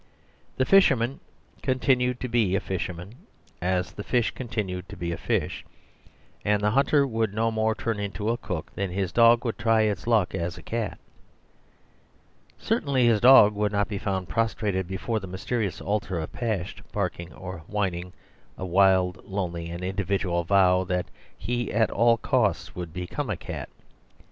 The fisherman con tinued to be a fisherman as the fish continued 94s The Superstition of Divorce to be a fish; and the hunter would no more turn into a cook than his dog would try its luck as a cat Certainly his dog would not be found prostrated before the mysterious al tar of Pasht, barking or whining a wild, lonely, and individual vow that he at all costs would become a cat.